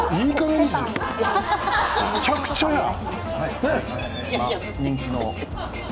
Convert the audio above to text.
むちゃくちゃやん！